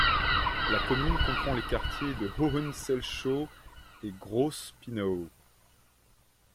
La commune comprend les quartiers de Hohenselchow et Groß Pinnow.